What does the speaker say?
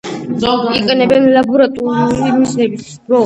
იყენებენ ლაბორატორიული მიზნებისათვის.